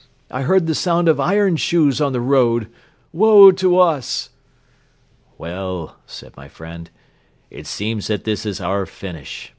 I heard the sound of iron shoes on the road. Woe to us!" "Well," said my friend, "it seems that this is our finish.